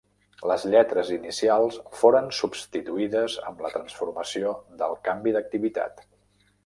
Les lletres inicials foren substituïdes amb la transformació del canvi d'activitat.